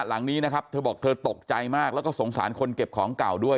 หลังนี้นะครับเธอบอกเธอตกใจมากแล้วก็สงสารคนเก็บของเก่าด้วย